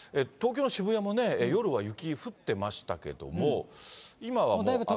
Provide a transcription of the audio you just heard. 東京の渋谷もね、夜は雪降ってましたけども、今はもう。